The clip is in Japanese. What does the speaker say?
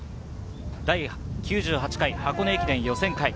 第９８回箱根駅伝予選会。